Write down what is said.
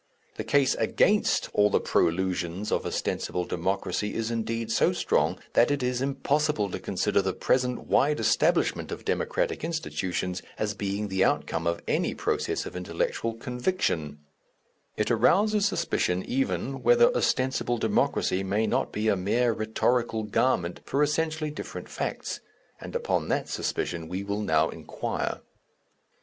The case against all the prolusions of ostensible Democracy is indeed so strong that it is impossible to consider the present wide establishment of Democratic institutions as being the outcome of any process of intellectual conviction; it arouses suspicion even whether ostensible Democracy may not be a mere rhetorical garment for essentially different facts, and upon that suspicion we will now inquire.